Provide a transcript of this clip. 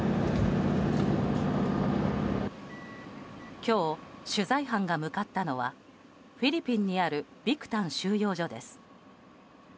今日、取材班が向かったのはフィリピンにあるビクタン収容所です。